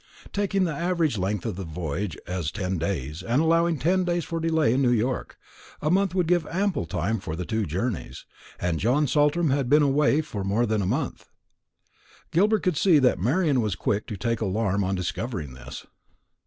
Taking the average length of the voyage as ten days, and allowing ten days for delay in New York, a month would give ample time for the two journeys; and John Saltram had been away more than a month. Gilbert could see that Marian was quick to take alarm on discovering this.